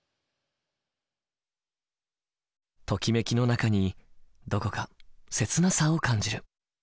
ときめきの中にどこか切なさを感じる。